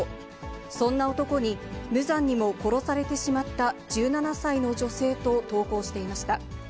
そんな男に無残にも殺されてしまった１７歳の女性と投稿していました。